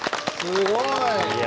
すごい！